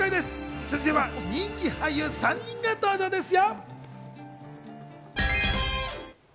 続いては人気俳優３人が登場ですよ。